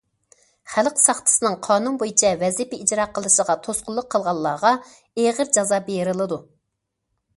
خەلق ساقچىسىنىڭ قانۇن بويىچە ۋەزىپە ئىجرا قىلىشىغا توسقۇنلۇق قىلغانلارغا ئېغىر جازا بېرىلىدۇ.